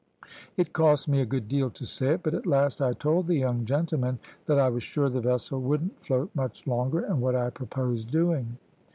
It cost me a good deal to say it, but at last I told the young gentlemen that I was sure the vessel wouldn't float much longer, and what I proposed doing.